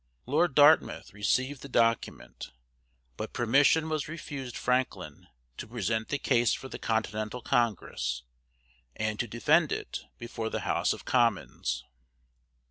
Lord Dartmouth received the document, but permission was refused Franklin to present the case for the Continental Congress, and to defend it, before the House of Commons.